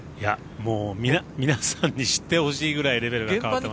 もう皆さんに知ってほしいぐらいのレベルに。